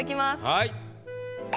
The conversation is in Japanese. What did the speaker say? はい。